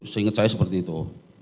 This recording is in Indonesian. seinget saya seperti itu